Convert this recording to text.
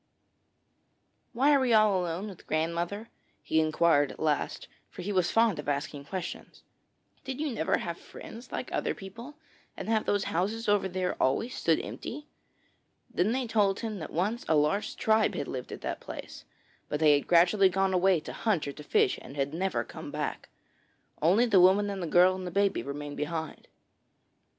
'Why are we all alone with grandmother?' he inquired at last, for he was fond of asking questions. 'Did you never have friends like other people, and have those houses over there always stood empty?' Then they told him that once a large tribe had lived at that place, but they had gradually gone away to hunt or to fish and had never come back. Only the woman and the girl and the baby remained behind.